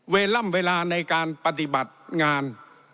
ล่ำเวลาในการปฏิบัติงาน